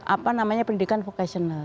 apa namanya pendidikan vocasional